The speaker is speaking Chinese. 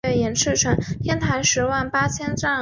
希腊的陶器因应不同时代而有很大的转变。